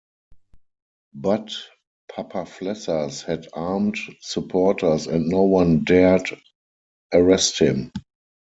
But Papaflessas had armed supporters and no one dared arrest him.